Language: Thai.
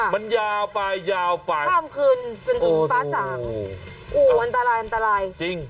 มันยาวไปยาวไปข้ามคืนจนถึงฟ้าสางโอ้โหอันตรายอันตรายจริง